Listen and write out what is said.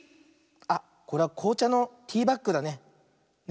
あっこれはこうちゃのティーバッグだね。ね。